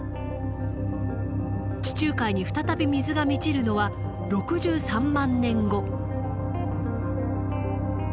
地中海に再び水が満ちるのは６３万年後。